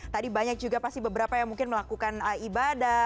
tadi banyak juga pasti beberapa yang mungkin melakukan ibadah